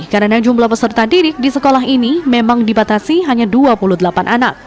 karena jumlah peserta didik di sekolah ini memang dibatasi hanya dua puluh delapan anak